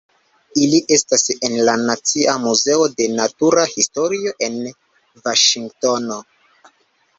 Ili estas en la Nacia Muzeo de Natura Historio en Vaŝingtono.